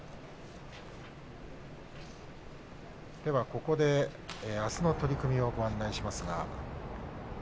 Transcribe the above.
ここであすの取組をご案内します。